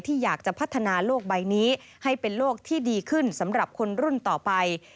อยากจะพัฒนาโลกใบนี้ให้เป็นโลกที่ดีขึ้นสำหรับคนรุ่นต่อไป